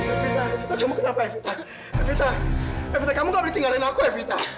evita evita kamu kenapa evita evita evita kamu nggak boleh tinggal dengan aku evita